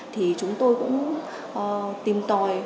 thì chúng tôi cũng tìm tòi